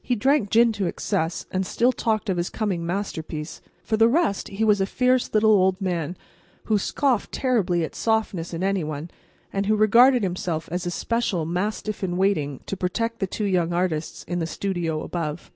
He drank gin to excess, and still talked of his coming masterpiece. For the rest he was a fierce little old man, who scoffed terribly at softness in any one, and who regarded himself as especial mastiff in waiting to protect the two young artists in the studio above.